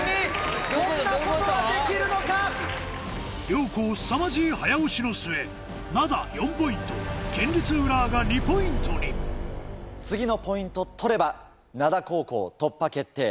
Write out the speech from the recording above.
両校すさまじい早押しの末灘４ポイント県立浦和が２ポイントに次のポイント取れば灘高校突破決定。